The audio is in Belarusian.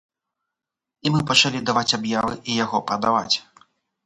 І мы пачалі даваць аб'явы і яго прадаваць.